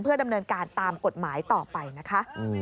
ดำเนินการตามกฎหมายต่อไปนะคะ